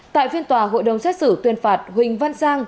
tại phiên tòa hội đồng xét xử tuyên phạt huỳnh văn sang